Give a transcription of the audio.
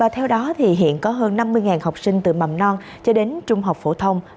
theo đó thì hiện có hơn năm mươi học sinh từ mầm non cho đến trung học phổ thông